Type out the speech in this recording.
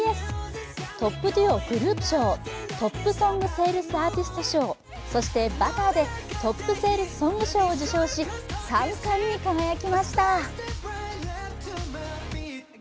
トップ・デュオ／グループ賞、トップ・ソング・セールス・アーティスト賞そして「Ｂｕｔｔｅｒ」でトップ・セールス・ソング賞を受賞し、３冠に輝きました。